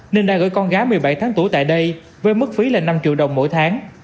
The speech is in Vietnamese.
nên đã gửi con gái một mươi bảy tháng tuổi tại đây với mức phí là năm triệu đồng mỗi tháng